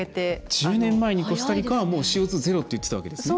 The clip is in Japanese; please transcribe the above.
１０年前にコスタリカはもうＣＯ２ゼロって言ってたわけですね。